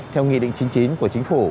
theo nghị định chín mươi chín của chính phủ